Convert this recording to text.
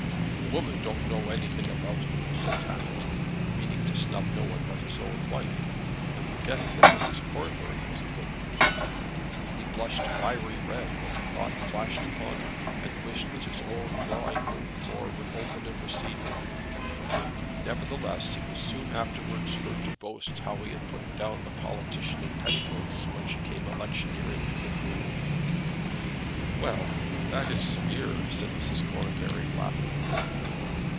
"Women don't know anything about it," said Tappitt, meaning to snub no one but his own wife, and forgetting that Mrs. Cornbury was a woman. He blushed fiery red when the thought flashed upon him, and wished that his own drawing room floor would open and receive him; nevertheless he was often afterwards heard to boast how he had put down the politician in petticoats when she came electioneering to the brewery. "Well, that is severe," said Mrs. Cornbury, laughing.